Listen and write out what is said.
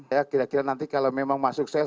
ya kira kira nanti kalau memang masuk saya